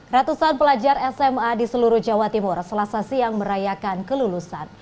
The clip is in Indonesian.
ratusan pelajar sma di seluruh jawa timur selasa siang merayakan kelulusan